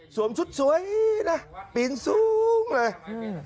สวมชุดสวยนะปีนสูงเลย